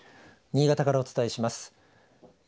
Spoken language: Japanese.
新潟からお伝えします。